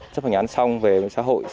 chấp hành án xong về với xã hội